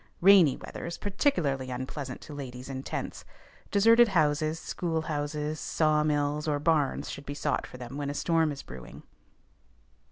Rainy weather is particularly unpleasant to ladies in tents; deserted houses, schoolhouses, saw mills, or barns should be sought for them when a storm is brewing.